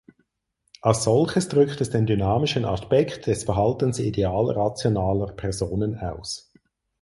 Als solches drückt es den dynamischen Aspekt des Verhaltens ideal rationaler Personen aus.